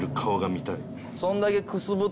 そんだけ。